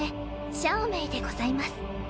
シャオメイでございます。